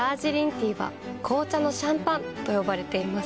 ティーは紅茶のシャンパンと呼ばれています。